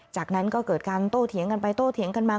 จากนั้นก็เกิดการโต้เถียงกันไปโต้เถียงกันมา